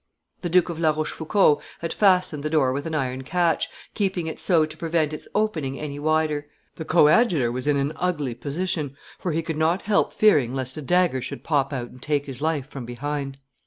The Duke of La Rochefoucauld had fastened the door with an iron catch, keeping it so to prevent its opening any wider. The coadjutor was 'in an ugly position, for he could not help fearing lest a dagger should pop out and take his life from behind.